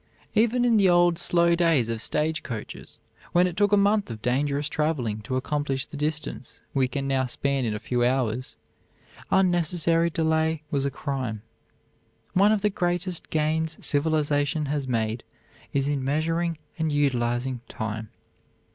Even in the old, slow days of stage coaches, when it took a month of dangerous traveling to accomplish the distance we can now span in a few hours, unnecessary delay was a crime. One of the greatest gains civilization has made is in measuring and utilizing time.